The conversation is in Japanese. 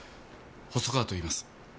細川といいます。